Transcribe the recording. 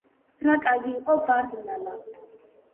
რა კარგი იყო ბარდნალა